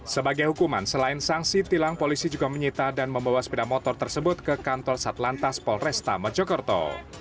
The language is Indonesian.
sebagai hukuman selain sanksi tilang polisi juga menyita dan membawa sepeda motor tersebut ke kantor satlantas polresta mojokerto